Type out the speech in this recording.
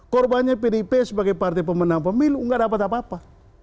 korbannya pdip sebagai partai pemenang pemilu nggak dapat apa apa